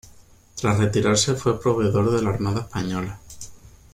Tras retirarse fue proveedor de la armada española.